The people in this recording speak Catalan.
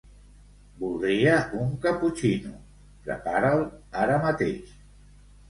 Voldria un caputxino, prepara'l ara mateix.